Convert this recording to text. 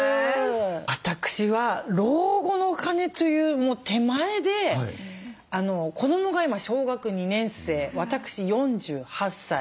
私は老後のお金というもう手前で子どもが今小学２年生私４８歳。